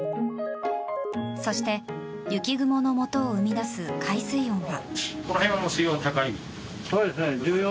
そして、雪雲のもとを生み出す海水温は。